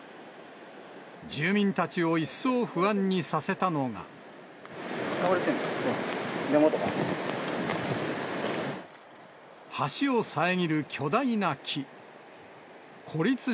住民たちを一層不安にさせた倒れてる木が、橋を遮る巨大な木。